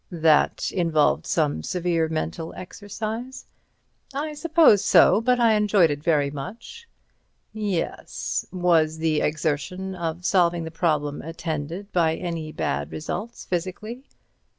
"That involved some severe mental exercise?" "I suppose so. But I enjoyed it very much." "Yes. Was the exertion of solving the problem attended by any bad results physically?"